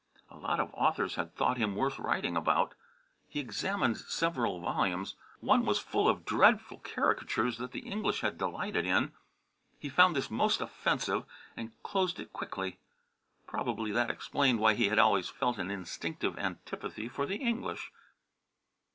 A lot of authors had thought him worth writing about. He examined several volumes. One was full of dreadful caricatures that the English had delighted in. He found this most offensive and closed it quickly. Probably that explained why he had always felt an instinctive antipathy for the English.